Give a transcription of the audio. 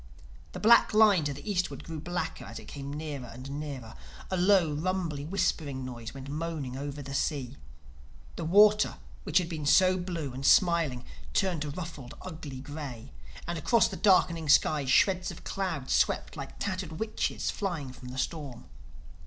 The black line to the eastward grew blacker as it came nearer and nearer. A low, rumbly, whispering noise went moaning over the sea. The water which had been so blue and smiling turned to a ruffled ugly gray. And across the darkening sky, shreds of cloud swept like tattered witches flying from the storm.